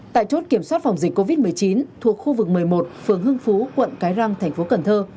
tại chốt kiểm soát phòng dịch covid một mươi chín thuộc khu vực một mươi một phường hưng phú quận cái răng thành phố cần thơ